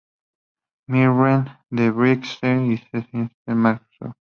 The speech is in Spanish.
Mildred", de "Bread Street" y de "St Margaret Moses".